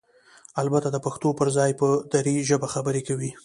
البته دپښتو پرځای په ډري ژبه خبرې کوي؟!